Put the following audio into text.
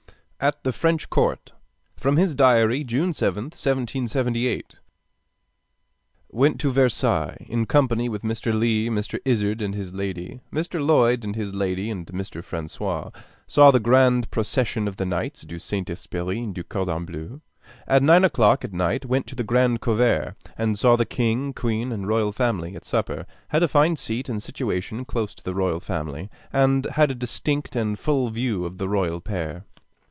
AT THE FRENCH COURT From his Diary, June 7th, 1778, with his later comments in brackets. Went to Versailles, in company with Mr. Lee, Mr. Izard and his lady, Mr. Lloyd and his lady, and Mr. François. Saw the grand procession of the Knights du Saint Esprit, or du Cordon Bleu. At nine o'clock at night, went to the grand convert, and saw the king, queen, and royal family, at supper; had a fine seat and situation close by the royal family, and had a distinct and full view of the royal pair.